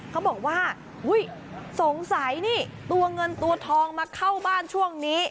เขาบอกว่าอุ๊ยสงสัยนี่ตัวเงินตัวทองมาเข้าบ้านช่วงนี้